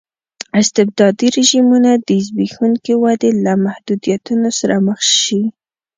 استبدادي رژیمونه د زبېښونکې ودې له محدودیتونو سره مخ شي.